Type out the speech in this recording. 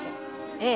ええ。